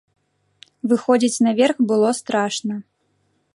Выходзіць на верх было страшна.